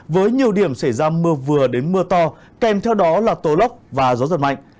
với nhiều điểm xảy ra mưa vừa đến mưa to kèm theo đó là tố lốc và gió giật mạnh